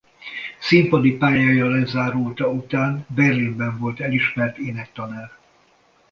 Színpadi pályája lezárulta után Berlinben volt elismert énektanár.